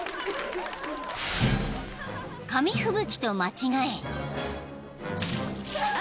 ［紙吹雪と間違え］